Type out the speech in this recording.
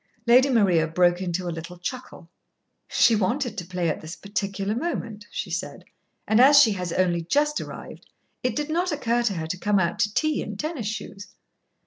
Lady Maria broke into a little chuckle. "She wanted to play at this particular moment," she said. "And as she has only just arrived, it did not occur to her to come out to tea in tennis shoes."